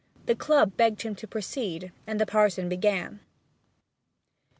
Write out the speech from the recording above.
The Club begged him to proceed, and the parson began.